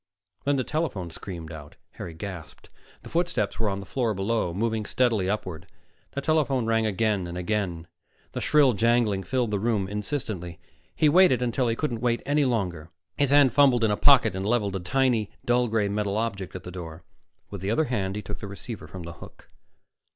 Then the telephone screamed out Harry gasped. The footsteps were on the floor below, moving steadily upward. The telephone rang again and again; the shrill jangling filled the room insistently. He waited until he couldn't wait any longer. His hand fumbled in a pocket and leveled a tiny, dull gray metal object at the door. With the other hand, he took the receiver from the hook.